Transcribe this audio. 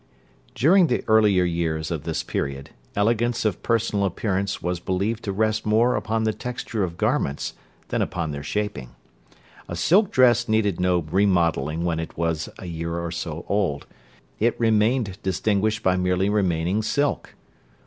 During the earlier years of this period, elegance of personal appearance was believed to rest more upon the texture of garments than upon their shaping. A silk dress needed no remodelling when it was a year or so old; it remained distinguished by merely remaining silk.